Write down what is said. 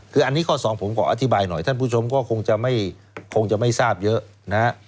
คืออันนี้ข้อ๒ผมขออธิบายหน่อยท่านผู้ชมก็คงจะไม่ทราบเยอะ